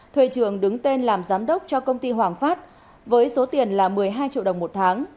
thuê trường đứng tên làm giám đốc cho công ty hoàng phát với số tiền là một mươi hai triệu đồng một tháng